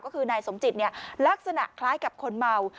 ก็คือนายสมจิตลักษณะคล้ายกับคนเมา